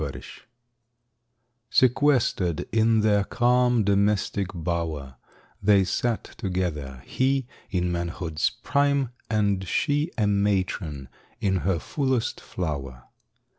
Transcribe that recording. DOMESTIC BLISS IV Sequestered in their calm domestic bower, They sat together. He in manhood's prime And she a matron in her fullest flower.